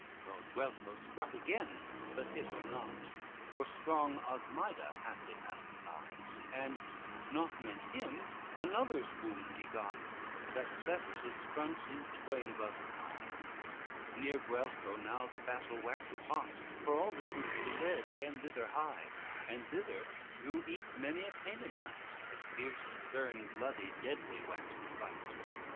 LXXIII Lord Guelpho struck again, but hit her not, For strong Osmida haply passed by, And not meant him, another's wound he got, That cleft his front in twain above his eye: Near Guelpho now the battle waxed hot, For all the troops he led gan thither hie, And thither drew eke many a Paynim knight, That fierce, stern, bloody, deadly waxed the fight.